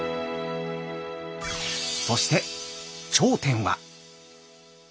そして頂点は。